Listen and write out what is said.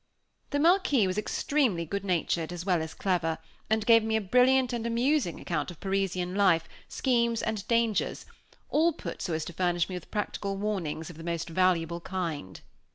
The Marquis was extremely good natured, as well as clever, and gave me a brilliant and amusing account of Parisian life, schemes, and dangers, all put so as to furnish me with practical warnings of the most valuable kind.